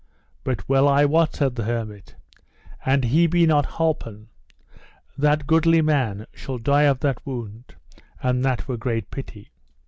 But well I wot, said the hermit, and he be not holpen, that goodly man shall die of that wound, and that were great pity.